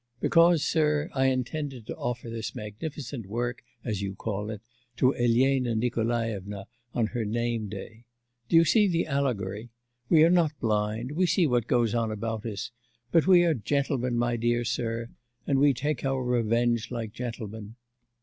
'Because, sir, I intended to offer this magnificent work as you call it to Elena Nikolaevna on her name day. Do you see the allegory? We are not blind, we see what goes on about us, but we are gentlemen, my dear sir, and we take our revenge like gentlemen....